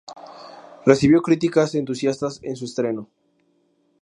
Recibió críticas entusiastas en su estreno.